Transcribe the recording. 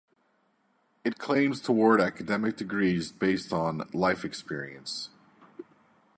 It claims to award academic degrees based on "life experience".